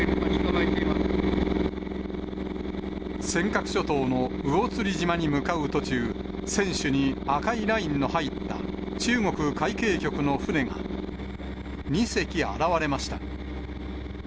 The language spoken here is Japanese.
尖閣諸島の魚釣島に向かう途中、船首に赤いラインの入った中国海警局の船が２隻現れました。